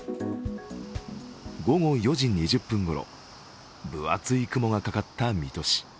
午後４時２０分ごろ、分厚い雲がかかった水戸市。